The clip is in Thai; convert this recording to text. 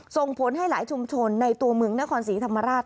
ส่งผลให้หลายชุมชนในตัวเมืองนครศรีธรรมราช